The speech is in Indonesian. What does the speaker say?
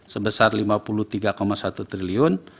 sebesar rp lima puluh tiga satu triliun